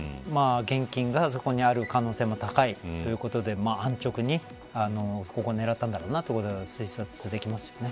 現金がそこにある可能性も高いということで安直にここを狙ったんだろうなと推測できますよね。